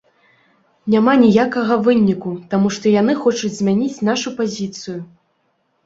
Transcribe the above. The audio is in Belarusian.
Няма ніякага выніку, таму што яны хочуць змяніць нашу пазіцыю.